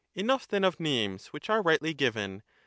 Enough then of names which are rightly given.